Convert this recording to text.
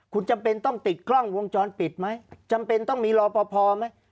คุณจำเป็นต้องติดกล้องวงจรปิดไหมจำเป็นต้องมีรอปภไหม